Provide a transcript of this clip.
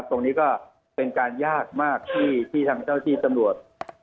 ตรงนี้ก็เป็นการยากมากที่ทางเจ้าที่ตำรวจ